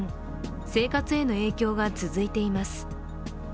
生活への影響が続いています。